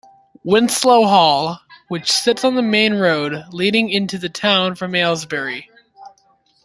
Winslow Hall, which sits on the main road leading into the town from Aylesbury.